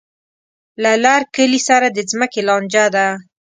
له لر کلي سره د ځمکې لانجه ده.